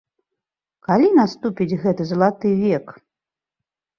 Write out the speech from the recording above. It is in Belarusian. Калі наступіць гэты залаты век?